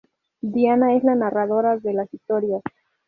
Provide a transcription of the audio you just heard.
Diana es la narradora de las historias.